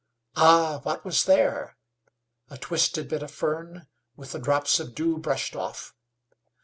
Ah! what was there? A twisted bit of fern, with the drops of dew brushed off.